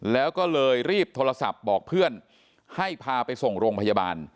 แล้วก็เลยรีบโทรศัพท์บอกเพื่อนให้พาไปส่งโรงพยาบาล